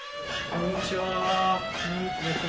こんにちは。